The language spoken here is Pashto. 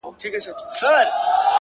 اوس مي نو ومرگ ته انتظار اوسئ ـ